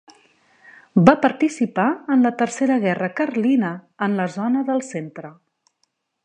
Va participar en la Tercera Guerra Carlina en la zona del centre.